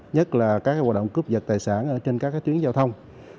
nhất là các hoạt động cướp giật tài sản trên các chuyến giao thông